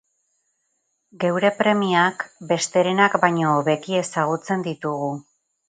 Geure premiak besterenak baino hobeki ezagutzen ditugu.